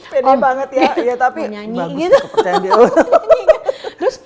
pede banget ya tapi bagus tuh percaya dia